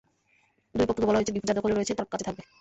দুই পক্ষকে বলা হয়েছে ডিপো যাঁর দখলে রয়েছে তাঁর কাছে থাকবে।